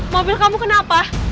mobil kamu kenapa